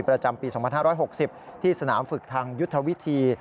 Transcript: ประจำปี๒๕๖๐ที่สนามฝึกทางยุทธวิธี